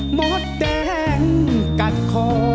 หมดแต้งกัดโค